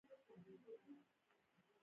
ایا د کور ستونزې لرئ؟